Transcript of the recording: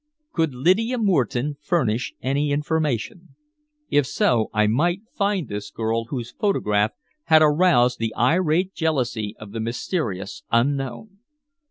Could Lydia Moreton furnish any information? If so, I might find this girl whose photograph had aroused the irate jealousy of the mysterious unknown.